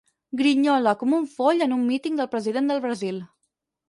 Grinyola com un foll en un míting del president del Brasil.